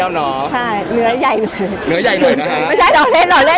ข้าก็ฝากอยากให้ทุกคนลองเนาะ